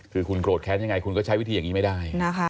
คือคุณโกรธแค้นยังไงคุณก็ใช้วิธีอย่างนี้ไม่ได้